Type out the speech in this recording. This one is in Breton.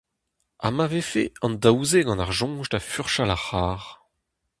Ha ma vefe an daou-se gant ar soñj da furchal ar c'harr ?